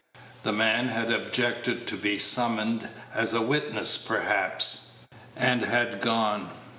The man had objected to be summoned as a witness perhaps, and had gone.